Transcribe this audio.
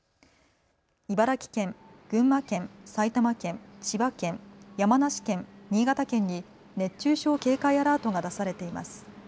茨城県、群馬県、埼玉県、千葉県、山梨県、新潟県に熱中症警戒アラートが出されています。